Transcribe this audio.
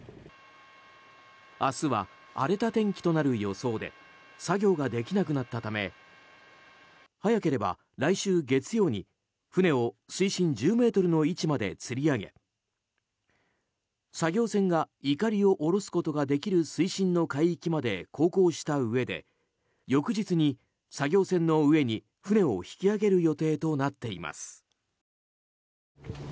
明日は荒れた天気となる予想で作業ができなくなったため早ければ来週月曜に船を水深１０ｍの位置までつり上げ作業船がイカリを下ろすことができる水深の海域まで航行したうえで翌日に作業船の上に船を引き揚げる予定となっています。